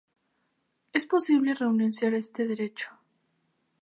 Es posible renunciar a este derecho.